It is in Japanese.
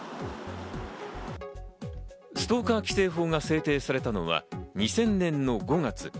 ストーカー規制法が制定されたのは２０００年の５月。